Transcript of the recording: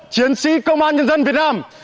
chiến sĩ công an nhân dân việt nam